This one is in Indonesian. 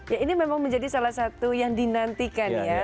ya ini memang menjadi salah satu yang dinantikan ya